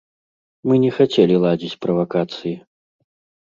Мы не хацелі ладзіць правакацыі.